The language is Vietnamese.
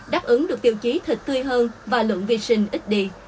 đáp ứng được tiêu chí thịt tươi hơn và lượng vi sinh ít đi